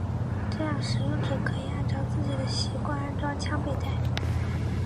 这样使用者可以按照自己的习惯安装枪背带。